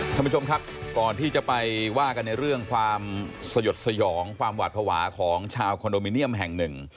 ท่านผู้ชมครับก่อนที่จะไปว่ากันในเรื่องความสยดสยองความหวาดภาวะของชาวคอนโดมิเนียมแห่งหนึ่ง